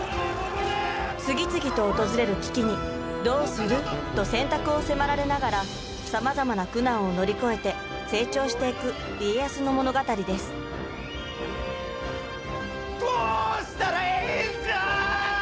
次々と訪れる危機に「どうする？」と選択を迫られながらさまざまな苦難を乗り越えて成長していく家康の物語ですどうしたらええんじゃあ！